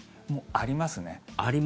あります。